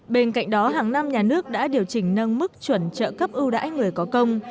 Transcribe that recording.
bên cạnh đó hàng năm nhà nước đã điều chỉnh nâng mức chuẩn trợ cấp ưu đãi người có công